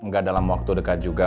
enggak dalam waktu dekat juga